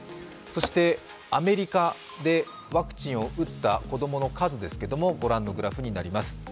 そしてアメリカでワクチンを打った子供の数ですけれども、御覧のグラフになります